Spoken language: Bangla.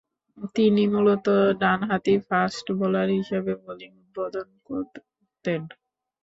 তিনি মূলতঃ ডানহাতি ফাস্ট বোলার হিসেবে বোলিং উদ্বোধন করতেন।